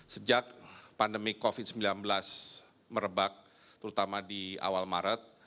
sejak pandemi covid sembilan belas merebak terutama di awal maret